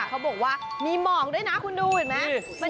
เขาบอกว่ามีหมอกด้วยนะคุณดูเห็นไหม